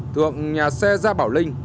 thượng nhà xe gia bảo linh